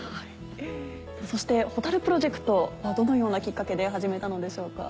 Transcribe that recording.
そしてホタルプロジェクトはどのようなきっかけで始めたのでしょうか？